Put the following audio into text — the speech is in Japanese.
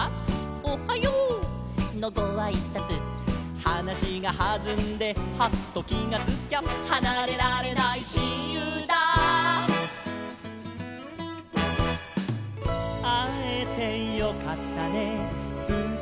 「おはよう！のごあいさつ」「はなしがはずんでハッときがつきゃ」「はなれられないしんゆうだ」「あえてよかったねうたいましょう」